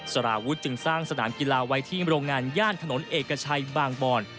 สารวุฒิจึงสร้างสนามกีฬาไว้ที่โรงงานย่านถนนเอกชัยบางบอน